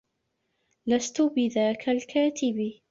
لست بذاك الكاتب.